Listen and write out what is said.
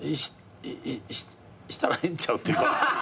したらええんちゃうっていうか。